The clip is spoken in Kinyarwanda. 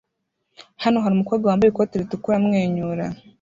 Hano hari umukobwa wambaye ikoti ritukura amwenyura